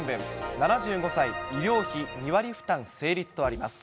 ７５歳、医療費２割負担成立とあります。